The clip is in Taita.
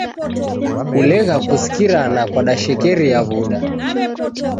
Kulegha kusikirana kwadashekeria w'uda